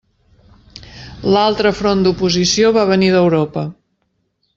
L'altre front d'oposició va venir d'Europa.